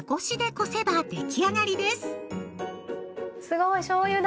すごい！しょうゆだ！